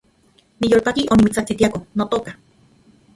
Niyolpaki onimitsajsitiako, notoka